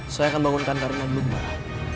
saya akan bangunkan karunan dulu gumarah